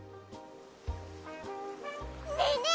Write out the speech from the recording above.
ねえねえ